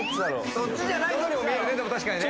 そっちじゃないぞにも見えるね